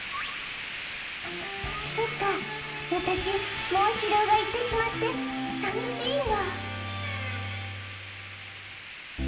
そっかわたしモンシローがいってしまってさみしいんだ。